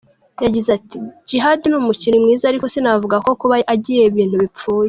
Yagize ati “Djihad ni umukinnyi mwiza ariko sinavuga ko kuba agiye ibintu bipfuye.